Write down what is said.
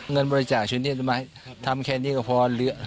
เงินบริจาชนิดมายทำแค่นี้ก็พอเหลือ